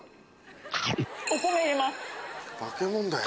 お米入れます。